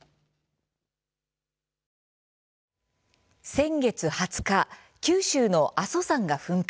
先月２０日九州の阿蘇山が噴火。